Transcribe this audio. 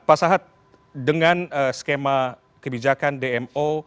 pak sahat dengan skema kebijakan dmo